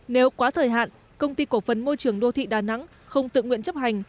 nếu quá thời hạn công ty cổ phần môi trường đô thị đà nẵng không tự nguyện chấp hành